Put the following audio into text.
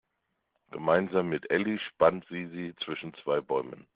Gemeinsam mit Elli spannt sie sie zwischen zwei Bäumen.